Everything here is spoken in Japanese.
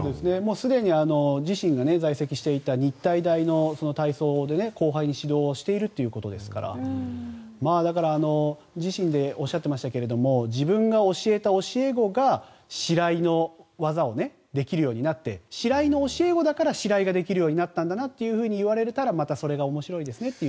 すでに自身が在籍していた日体大の体操で後輩に指導しているということですから自身でおっしゃってましたけど自分が教えた教え子がシライの技をできるようになって白井の教え子だから、シライができるようになったんだなと言われたらまた面白いですねと。